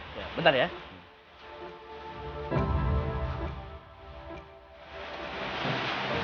ada orang orang yang